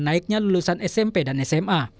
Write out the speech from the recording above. naiknya lulusan smp dan sma